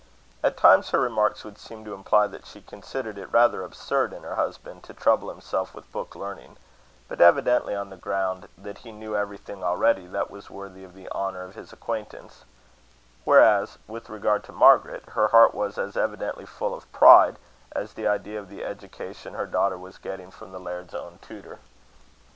At times her remarks would seem to imply that she considered it rather absurd in her husband to trouble himself with book learning; but evidently on the ground that he knew everything already that was worthy of the honour of his acquaintance; whereas, with regard to Margaret, her heart was as evidently full of pride at the idea of the education her daughter was getting from the laird's own tutor.